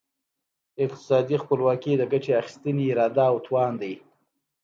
اقتصادي خپلواکي د ګټې اخیستني اراده او توان دی.